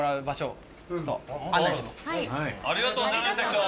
ありがとうございました今日。